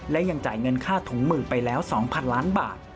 และยังจ่ายเงินค่าถุงมือไปแล้ว๒๐๐๐ล้านบาท